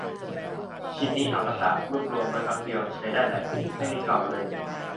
ชิ้นนี้อมตะ รวบรวมไว้ครั้งเดียว ใช้ได้หลายปี ไม่มีเก่าเลย